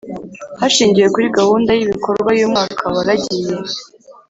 hashingiwe kuri gahunda y’ibikorwa y’umwaka waragiye